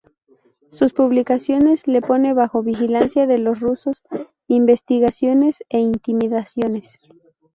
Sus publicaciones le pone bajo vigilancia de los rusos, investigaciones e intimidaciones.